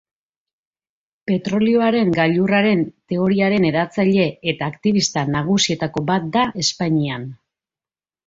Petrolioaren gailurraren teoriaren hedatzaile eta aktibista nagusietako bat da Espainian.